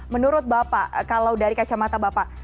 menurut bapak kalau dari kacamata bapak